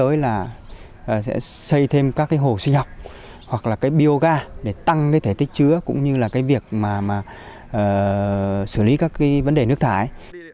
đối với là sẽ xây thêm các cái hồ sinh học hoặc là cái bioga để tăng cái thể tích chứa cũng như là cái việc mà xử lý các cái vấn đề nước thải